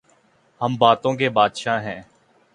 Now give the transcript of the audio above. ہم باتوں کے بادشاہ ہیں۔